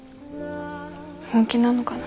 本気なのかな。